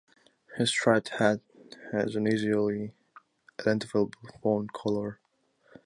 His striped hat has an easily identifiable fawn color.